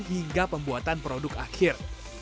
hingga pembuatan produk akhir